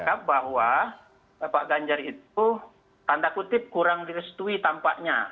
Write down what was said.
public mood menangkap bahwa pak ganjar itu tanda kutip kurang direstui tampaknya